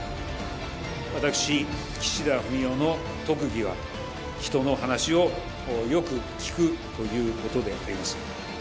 私、岸田文雄の特技は、人の話をよく聞くということであります。